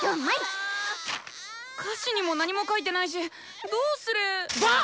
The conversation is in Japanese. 歌詞にも何も書いてないしどうすればッ